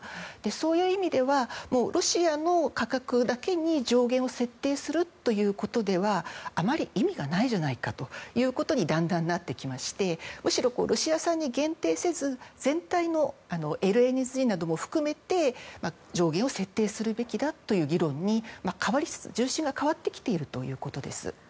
そういう意味ではもうロシアの価格だけに上限を設定するということではあまり意味がないじゃないかということにだんだんなってきましてむしろロシア産に限定せず全体のＬＮＧなども含めて上限を設定するべきだという議論に重心が変わってきているということです。